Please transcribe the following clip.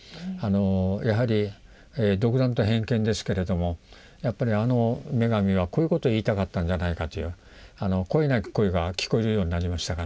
やはり独断と偏見ですけれどもやっぱりあの女神はこういうことを言いたかったんじゃないかという声なき声が聞こえるようになりましたから。